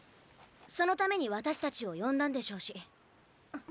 そのために私たちを呼んだんでしょうし。